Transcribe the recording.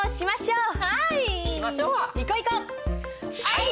はい！